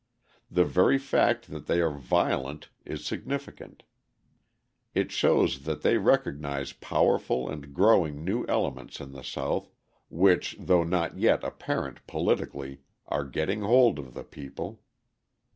The very fact that they are violent is significant: it shows that they recognise powerful and growing new elements in the South, which, though not yet apparent politically, are getting hold of the people.